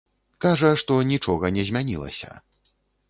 Кажа, што нічога не змянілася.